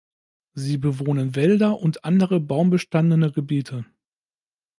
Sie bewohnen Wälder und andere baumbestandene Gebiete.